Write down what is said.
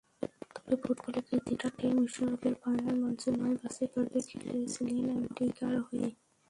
তবে ফুটবলে কীর্তিটা ঠিক বিশ্বকাপের ফাইনাল মঞ্চে নয়, বাছাইপর্বে খেলেছিলেন অ্যান্টিগার হয়ে।